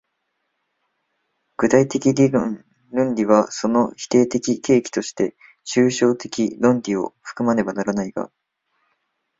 具体的論理はその否定的契機として抽象的論理を含まねばならないが、